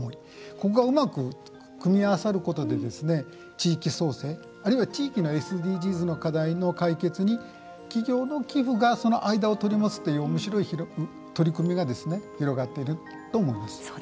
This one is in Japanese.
ここがうまく組み合わさることで地域創生あるいは地域のＳＤＧｓの課題の解決に企業の寄付がその間を取り持つというおもしろい取り組みが広がっていると思います。